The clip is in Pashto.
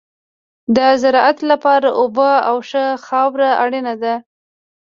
د زراعت لپاره اوبه او ښه خاوره اړینه ده.